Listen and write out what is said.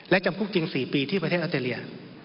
และจำคุกจริง๔ปีที่ประเทศออสเตรเลีย